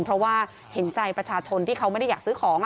เพราะว่าเห็นใจประชาชนที่เขาไม่ได้อยากซื้อของ